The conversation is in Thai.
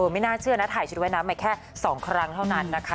ไม่น่าเชื่อนะถ่ายชุดว่ายน้ำมาแค่๒ครั้งเท่านั้นนะคะ